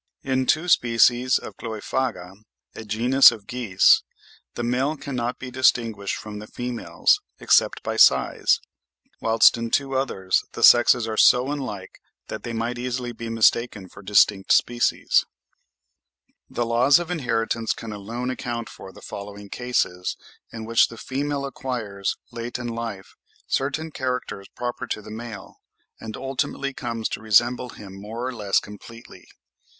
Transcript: In two species of Chloephaga, a genus of geese, the male cannot be distinguished from the females, except by size; whilst in two others, the sexes are so unlike that they might easily be mistaken for distinct species. (29. The 'Ibis,' vol. vi. 1864, p. 122.) The laws of inheritance can alone account for the following cases, in which the female acquires, late in life, certain characters proper to the male, and ultimately comes to resemble him more or less completely.